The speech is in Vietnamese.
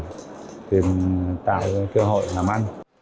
để tìm tạo cơ hội làm ăn